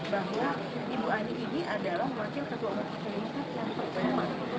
bahwa ibu ani ini adalah wakil ketua umum yang pertama